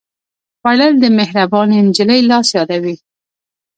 خوړل د مهربانې نجلۍ لاس یادوي